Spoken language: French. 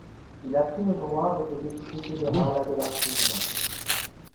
Il apprit le droit avec le député fédéral Adélard Turgeon.